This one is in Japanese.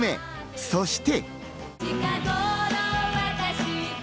そして。